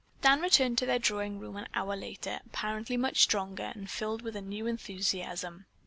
Dan returned to their drawing room an hour later, apparently much stronger, and filled with a new enthusiasm.